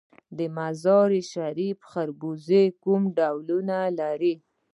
د مزار شریف خربوزې کوم ډولونه لري؟